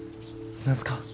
何すか？